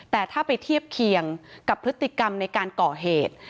แต่ถ้าไปเทียบเคียงกับพฤติกรรมในการก่อเหตุ